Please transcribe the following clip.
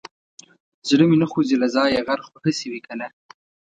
زړه مې نه خوځي له ځايه غر خو هسې وي کنه.